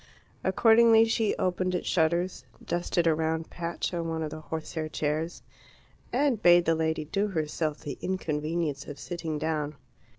Accordingly she opened its shutters, dusted a round patch on one of the horsehair chairs, and bade the lady do herself the inconvenience of sitting down.